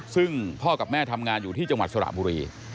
ซึ่งพ่อกับแม่ทำงานอยู่ที่จังหวัดสระบุรี